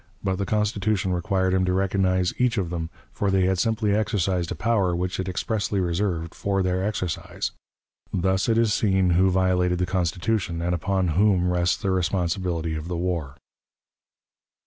But the Constitution required him to recognize each of them, for they had simply exercised a power which it expressly reserved for their exercise. Thus it is seen who violated the Constitution, and upon whom rests the responsibility of the war.